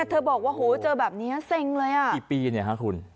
เธอบอกว่าโหเจอแบบนี้เซ็งเลยอ่ะกี่ปีเนี่ยฮะคุณ